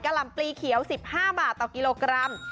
หล่ำปลีเขียว๑๕บาทต่อกิโลกรัม